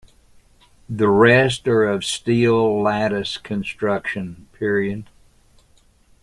The rest are of steel lattice construction.